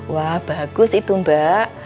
wah bagus itu mbak